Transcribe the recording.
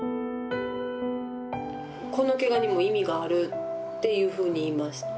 「このケガにも意味がある」っていうふうに言いました。